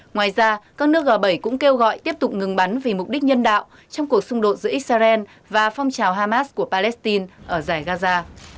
ngoài ra các nước g bảy cũng kêu gọi tiếp tục ngừng bắn vì mục đích nhân đạo trong cuộc xung đột giữa israel và phong trào hamas của palestine ở giải gaza